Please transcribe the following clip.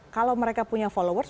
kalau mereka punya followers